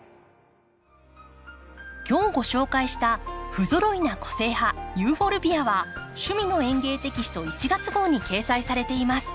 今日ご紹介した「ふぞろいな個性派ユーフォルビア」は「趣味の園芸」テキスト１月号に掲載されています。